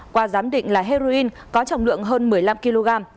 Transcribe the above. qua giám định là heroin có trọng lượng hơn một mươi năm kg